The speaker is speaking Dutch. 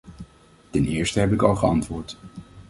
Ten eerste heb ik al geantwoord.